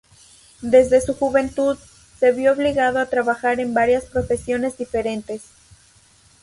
Desde su juventud, se vio obligado a trabajar en varias profesiones diferentes.